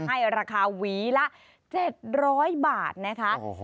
ให้ราคาหวีละ๗๐๐บาทนะคะ